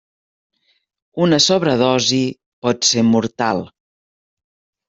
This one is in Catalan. Una sobredosi pot ser mortal.